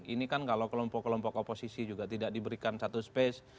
ini kan kalau kelompok kelompok oposisi juga tidak diberikan satu space